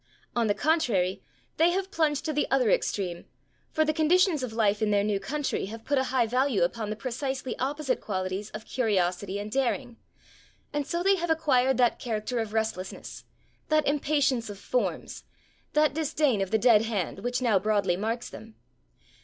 On the contrary, they have plunged to the other extreme, for the conditions of life in their new country have put a high value upon the precisely opposite qualities of curiosity and daring, and so they have acquired that character of restlessness, that impatience of forms, that disdain of the dead hand, which now broadly marks them.